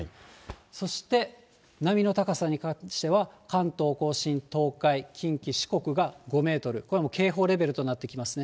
そして、波の高さに関しては、関東甲信、東海、近畿、四国が５メートル、これも警報レベルとなってきますね。